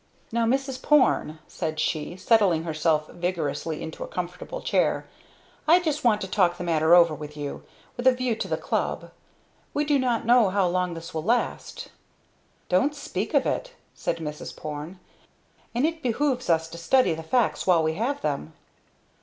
"Now Mrs. Porne," said she, settling herself vigorously into a comfortable chair, "I just want to talk the matter over with you, with a view to the club. We do not know how long this will last " "Don't speak of it!" said Mrs. Porne. " and it behooves us to study the facts while we have them."